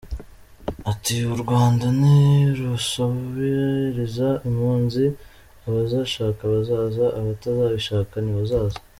Ati "U Rwanda ntirusabiriza impunzi, abazashaka bazaza, abatazabishaka ntibazaze.